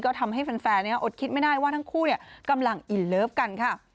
ก็ทำให้แฟนอดคิดไม่ได้ว่าทั้งคู่กำลังอินเลิฟกันค่ะ